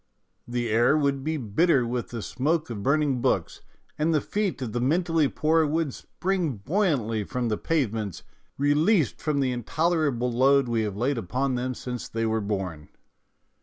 The air would be bitter with the smoke of burning books, and the feet of the mentally poor would spring buoyantly from the pavements, re leased from the intolerable load we have laid upon them since they were born.